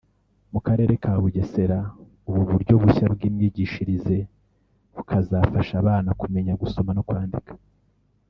mu karere ka Bugesera ubu buryo bushya bw’imyigishirize bukazafasha abana kumenya gusoma no kwandika